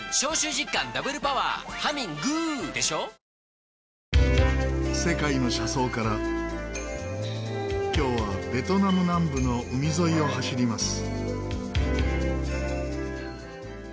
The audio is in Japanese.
サントリーから今日はベトナム南部の海沿いを走ります。